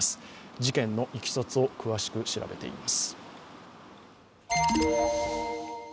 事件のいきさつを詳しく調べています。